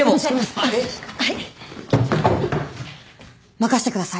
任せてください。